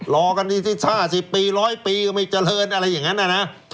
รอกันทั้ง๕๐ปี๑๐๐ปีไม่เจริญแต่มีเวลาแล้วนะ